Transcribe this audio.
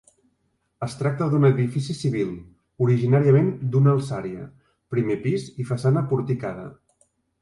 Es tracta d'un edifici civil, originàriament d'una alçària, primer pis i façana porticada.